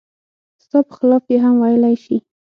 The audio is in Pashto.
ستا په خلاف یې هم ویلای شي.